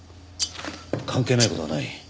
関係ない事はない。